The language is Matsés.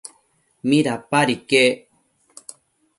¿midapad iquec?